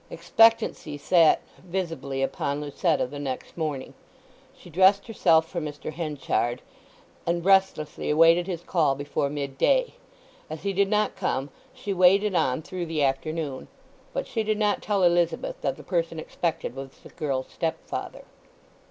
Expectancy sat visibly upon Lucetta the next morning. She dressed herself for Mr. Henchard, and restlessly awaited his call before mid day; as he did not come she waited on through the afternoon. But she did not tell Elizabeth that the person expected was the girl's stepfather.